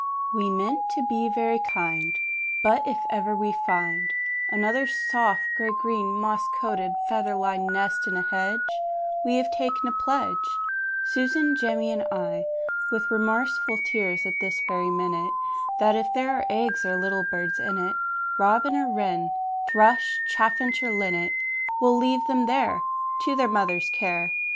We meant to be very kind, But if ever we find Another soft, grey green, moss coated, feather lined nest in a hedge, We have taken a pledge Susan, Jemmy, and I with remorseful tears, at this very minute, That if there are eggs or little birds in it Robin or wren, thrush, chaffinch or linnet We'll leave them there To their mother's care.